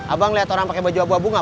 abang liat orang pake baju abu abu ga